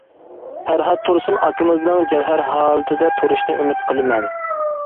پەرھات تۇرسۇن ئاكىمىزنىڭ جەۋھەر ھالىتىدە تۇرۇشىنى ئۈمىد قىلىمەن.